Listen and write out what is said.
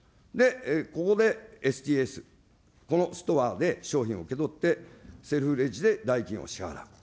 ここでＳＴＳ、このストアで商品を受け取って、セルフレジで代金を支払う。